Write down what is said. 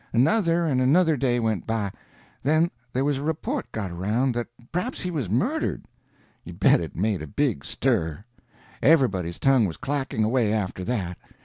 Another and another day went by; then there was a report got around that praps he was murdered. You bet it made a big stir! Everybody's tongue was clacking away after that.